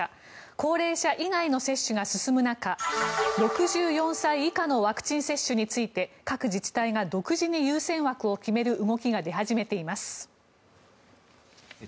高齢者以外の接種が進む中６４歳以下のワクチン接種について各自治体が独自に優先枠を決める動きが出始めています。